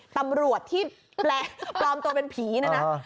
ตำรวจที่ปลอมตัวเป็นผีเนี่ยนะ